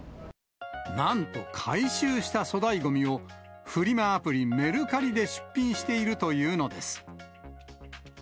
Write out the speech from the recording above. なんと、回収した粗大ごみを、フリマアプリ、メルカリで出品しているというのです。